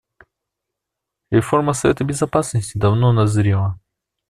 Реформа Совета Безопасности давно назрела.